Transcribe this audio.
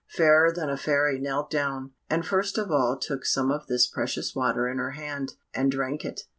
Fairer than a Fairy knelt down, and first of all took some of this precious water in her hand, and drank it.